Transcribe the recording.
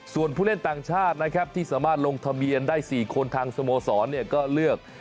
ส่วนผู้เล่นต่างชาตินะครับที่สามารถลงทะเบียนได้๔คนทางสโมสรก็เลือก